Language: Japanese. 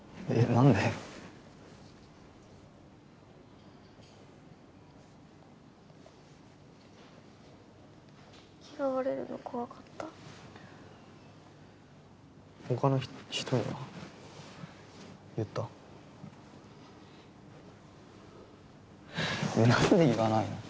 なんで言わないの？